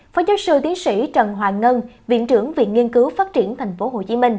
phó giáo sư tiến sĩ trần hoàng ngân viện trưởng viện nghiên cứu phát triển tp hcm